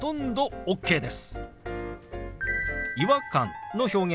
ＯＫです。